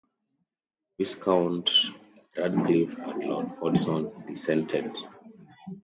Viscount Radcliffe and Lord Hodson dissented.